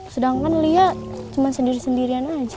sedangkan lia cuma sendiri sendirian aja